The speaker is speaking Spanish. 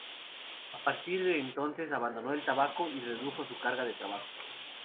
A partir de entonces abandonó el tabaco y redujo su carga de trabajo.